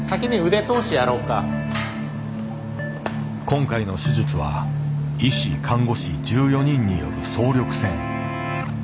今回の手術は医師看護師１４人による総力戦。